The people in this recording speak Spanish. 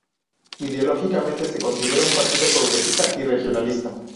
Ideológicamente se considera un partido progresista y regionalista.